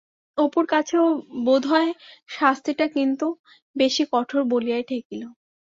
অপুর কাছেও বোধ হয় শাস্তিটা কিন্তু বেশি কঠোর বলিয়াই ঠেকিল।